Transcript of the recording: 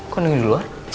kok nunggu dulu